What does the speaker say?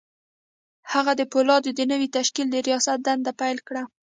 هغه د پولادو د نوي تشکيل د رياست دنده پيل کړه.